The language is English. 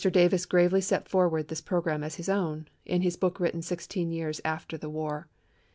Davis gravely set forth this programme as his own, in his book written sixteen years after the war.